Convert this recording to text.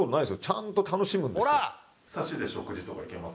ちゃんと楽しむんですよ。